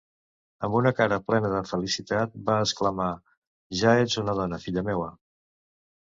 Amb una cara plena de felicitat va exclamar, ja ets una dona, filla meua!